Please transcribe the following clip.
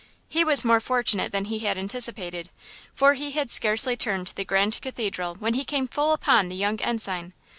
He was more fortunate than he had anticipated, for he had scarcely turned the Grand Cathedral when he came full upon the young ensign.